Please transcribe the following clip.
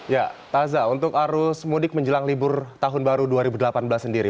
ya taza untuk arus mudik menjelang libur tahun baru dua ribu delapan belas sendiri